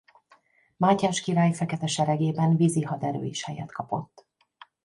Mátyás király fekete seregében vízi haderő is helyet kapott.